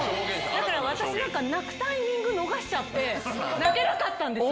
だから、私なんか、泣くタイミング逃しちゃって、泣けなかったんですよ。